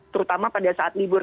terutama pada saat libur